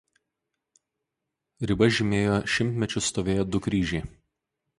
Ribas žymėjo šimtmečius stovėję du kryžiai.